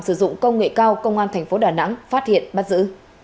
sử dụng công nghệ cao công an tp đà nẵng phát hiện bắt giữ